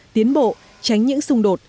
tiến bộ tránh những xung đột